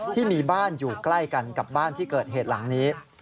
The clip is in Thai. ที่มีบ้านอยู่ใกล้กันกับบ้านที่เกิดเหตุหลังนี้